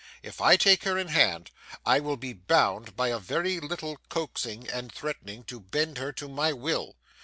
If I take her in hand, I will be bound by a very little coaxing and threatening to bend her to my will.